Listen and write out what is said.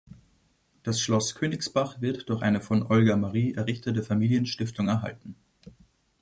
Das Schloss Königsbach wird durch eine von Olga Marie errichtete Familienstiftung erhalten.